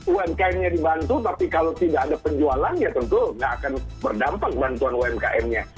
umkmnya dibantu tapi kalau tidak ada penjualan ya tentu tidak akan berdampak bantuan umkmnya